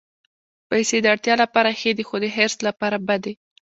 پېسې د اړتیا لپاره ښې دي، خو د حرص لپاره بدې.